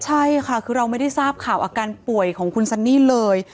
ใช่ค่ะคือเราไม่ได้ทราบข่าวอาการป่วยของคุณซันนี่เลย